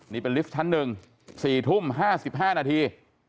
นี่เป็นลิฟท์ชั้น๑๔ทุ่ม๕๕นาที